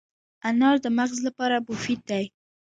انار د مغز لپاره مفید دی.